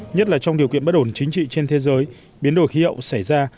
nhất là trong điều kiện bất ổn chính trị trên thế giới biến đổi khí hậu xảy ra